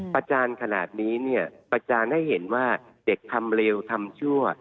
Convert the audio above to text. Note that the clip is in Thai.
ประจานขนาดนี้เนี่ยประจานให้เห็นว่าเด็กทำเร็วทำชั่ว